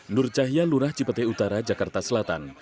nur cahya lurah cipete utara jakarta selatan